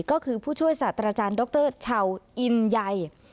ก็คือผู้ช่วยศาสตราจารย์ดรชาวอินใหญ่